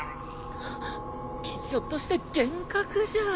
ひょっとして幻覚じゃ。